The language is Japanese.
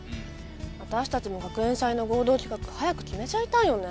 わたしたちも学園祭の合同企画早く決めちゃいたいよね。